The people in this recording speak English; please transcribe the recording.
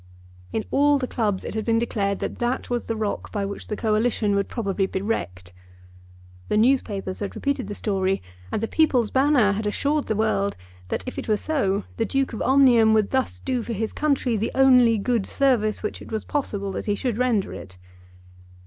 In all the clubs it had been declared that that was the rock by which the Coalition would probably be wrecked. The newspapers had repeated the story, and the "People's Banner" had assured the world that if it were so the Duke of Omnium would thus do for his country the only good service which it was possible that he should render it.